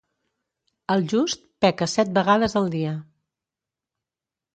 El just peca set vegades al dia.